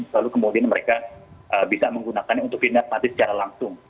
lalu kemudian mereka bisa menggunakannya untuk inerpati secara langsung